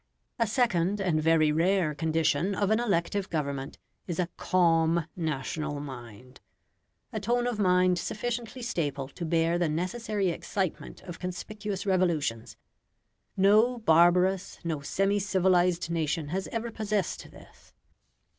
A second and very rare condition of an elective government is a CALM national mind a tone of mind sufficiently staple to bear the necessary excitement of conspicuous revolutions. No barbarous, no semi civilised nation has ever possessed this.